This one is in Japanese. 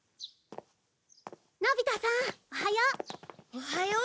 のび太さんおはよう。